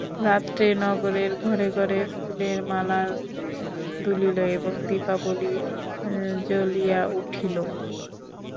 রাত্রে নগরের ঘরে ঘরে ফুলের মালা দুলিল এবং দীপাবলী জ্বলিয়া উঠিল।